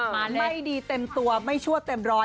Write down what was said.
มันไม่ดีเต็มตัวไม่ชั่วเต็มร้อย